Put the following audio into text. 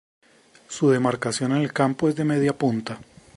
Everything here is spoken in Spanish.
Su demarcación en el campo es de media punta.